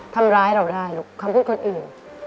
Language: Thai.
ทำร้ายเราได้ลูกคำพูดคนอื่น